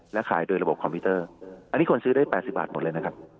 และขายโดยระบบคอมพิวเตอร์อันนี้คนซื้อได้๘๐บาทหมดเลยนะครับ